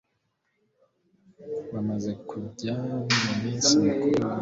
bamaze kujya mu minsi mikuru na we